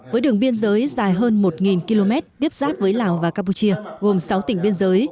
với đường biên giới dài hơn một km tiếp giáp với lào và campuchia gồm sáu tỉnh biên giới